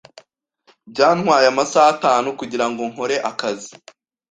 Byantwaye amasaha atanu kugirango nkore akazu.